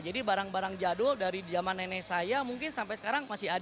jadi barang barang jadul dari zaman nenek saya mungkin sampai sekarang masih ada